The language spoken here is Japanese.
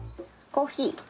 コーヒー？